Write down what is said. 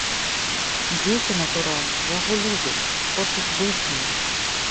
Дзеці, натуральна, яго любяць, хочуць быць з ім.